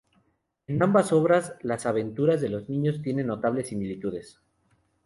En ambas obras, las aventuras de los niños tienen notables similitudes.